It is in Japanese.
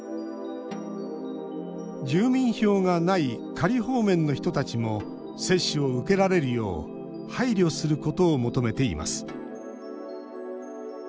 住民票がない仮放免の人たちも接種を受けられるよう配慮することを求めています。